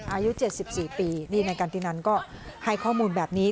อายุเจ็ดสิบสี่ปีนี่นายกันตินันก็ให้ข้อมูลแบบนี้